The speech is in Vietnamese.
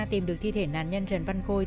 tìm được thi thể nạn nhân trần văn khôi